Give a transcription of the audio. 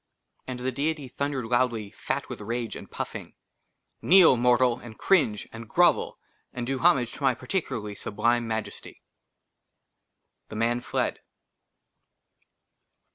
AND THE DEITY THUNDERED LOUDLY, FAT WITH RAGE, AND PUFFING, KNEEL, MORTAL, AND CRINGE *' AND GROVEL AND DO HOMAGE " TO MY PARTICULARLY SUBLIME MAJESTY." THE MAN FLED.